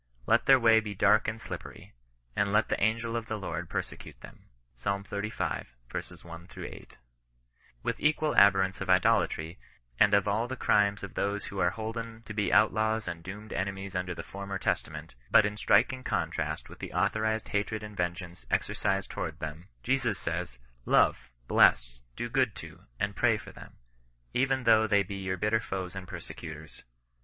Let their way be dark and slippery : and let the angel of the ; Lord persecute them." Psal xxxv. 1 — 8. '^ With equal abhorrence of idolatry, and of all the crimes of those who axe holden to be outlaws and doomed enemies under the former Testament, but in striking oontiftst'with the authonand hatred and vei^geKiioe CHRISTIAN NOX RESISTANCE. S3 exercised to^vards them, Jesus says, love, bles^, do s'ood to, and pray for them, even though they be your bitter foes and persecutors.